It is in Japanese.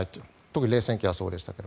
特に冷戦期はそうでしたが。